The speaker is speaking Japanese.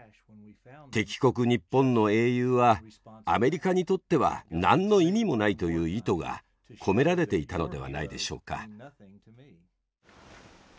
敵国日本の英雄はアメリカにとっては何の意味もないという意図が込められていたのではないでしょうか。